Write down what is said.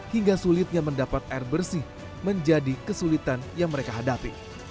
hingga sulitnya mendapat air bersih menjadi kesulitan yang mereka hadapi